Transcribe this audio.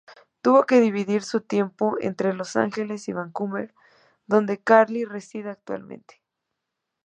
Tuvo que dividir su tiempo entre Los Ángeles y Vancouver, donde Carly reside actualmente.